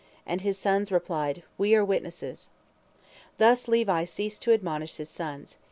And his sons replied, "We are witnesses." Thus Levi ceased to admonish his sons.